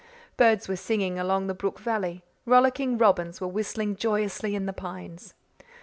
Birds were singing along the brook valley. Rollicking robins were whistling joyously in the pines.